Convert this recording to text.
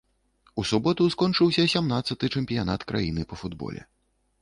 У суботу скончыўся сямнаццаты чэмпіянат краіны па футболе.